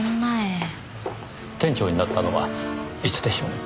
店長になったのはいつでしょう？